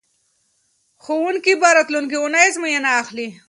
ښوونکي به راتلونکې اونۍ ازموینه اخلي.